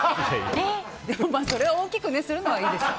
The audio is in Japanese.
でもそれを大きくするのはいいでしょ。